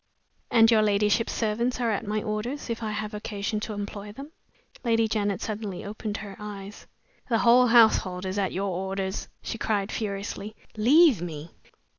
"And your ladyship's servants are at my orders, if I have occasion to employ them?" Lady Janet suddenly opened her eyes. "The whole household is at your orders," she cried, furiously. "Leave me!"